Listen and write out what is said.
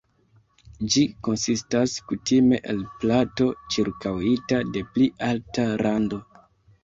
Ĝi konsistas kutime el plato ĉirkaŭita de pli alta rando.